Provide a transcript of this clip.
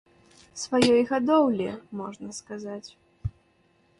Сваёй гадоўлі, можна сказаць!